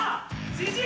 ・じじい！